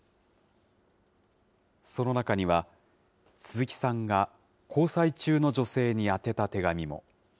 その中には、鈴木さんが交際中の女性に宛てた手紙も。